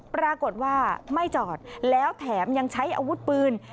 ปรากฏว่าไม่จอดแล้วแถมยังใช้อาวุธปืน